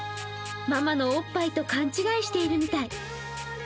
ママのおっぱいと勘違いしているみたい。